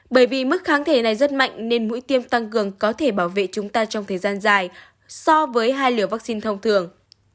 bởi vì mức kháng thể này rất mạnh nên mũi tiêm tăng cường có thể bảo vệ chúng ta trong thời gian dài so với hai liều vaccine thông thường